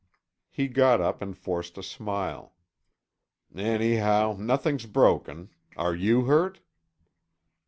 He got up and forced a smile. "Anyhow, nothing's broken. Are you hurt?"